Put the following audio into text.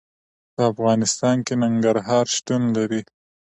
په افغانستان کې ننګرهار شتون لري.